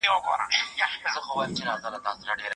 د نورو مرسته وکړه چي خدای درسره مرسته وکړي او خير درته درکړي .